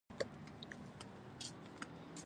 څو دقیقې دلته ولاړ وو او ځینو ملګرو لمونځونه کول.